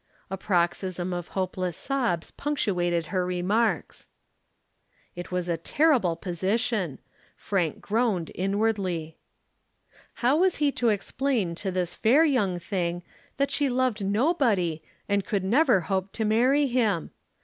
A paroxysm of hopeless sobs punctuated her remarks. It was a terrible position. Frank groaned inwardly. How was he to explain to this fair young thing that she loved nobody and could never hope to marry him?